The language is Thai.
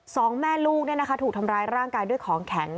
สองแม่ลูกถูกทำร้ายร่างกายด้วยของแข็ง